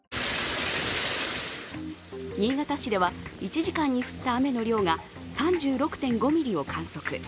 新潟市では、１時間に降った雨の量が３６．５ミリを観測。